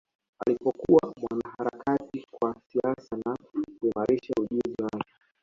Alipokuwa mwanaharakati wa siasa na kuimarisha ujuzi wake